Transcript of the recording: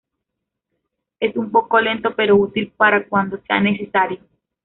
Es un poco lento, pero útil para cuando sea necesario.